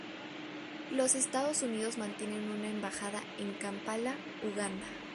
Los Estados Unidos mantienen una embajada en Kampala, Uganda.